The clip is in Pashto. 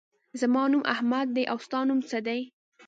زما نوم احمد دی. او ستا نوم څه دی؟